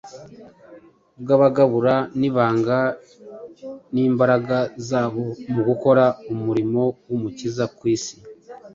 bw’abagabura n’ibanga ry’imbaraga zabo mu gukora umurimo w’Umukiza ku isi.